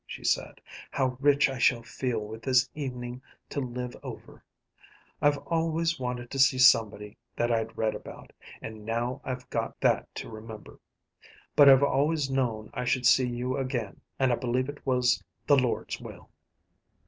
she said. "How rich I shall feel with this evening to live over! I've always wanted to see somebody that I'd read about, and now I've got that to remember; but I've always known I should see you again, and I believe 't was the Lord's will."